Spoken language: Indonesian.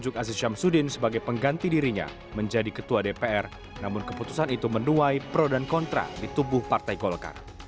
keputusan itu menduai pro dan kontra di tubuh partai golkar